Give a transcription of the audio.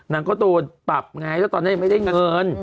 นางก็โดนปรับไงแล้วตอนนี้ยังไม่ได้เงิน